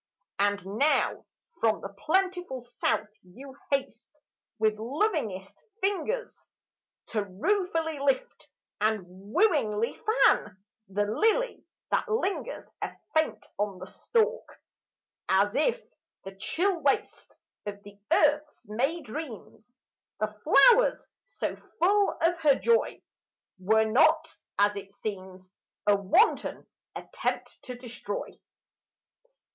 And now from the plentiful South you haste, With lovingest fingers, To ruefully lift and wooingly fan The lily that lingers a faint on the stalk: As if the chill waste Of the earth's May dreams, The flowers so full of her joy, Were not as it seems A wanton attempt to destroy.